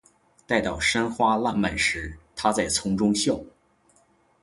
待到山花烂漫时，她在丛中笑。